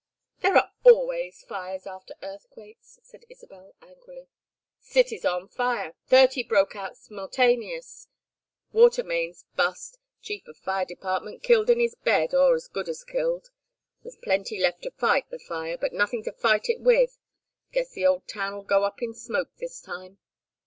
"There are always fires after earthquakes," said Isabel, angrily. "City's on fire. Thirty broke out s'multaneous. Water main's bust. Chief of Fire Department killed in his bed, or as good as killed. There's plenty left to fight the fire but nothin' to fight it with. Guess the old town'll go up in smoke this time."